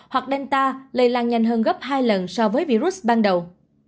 hoặc delta lây lan nhanh hơn gấp hai lần so với virus ban đầu